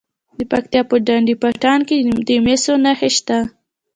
د پکتیا په ډنډ پټان کې د مسو نښې شته.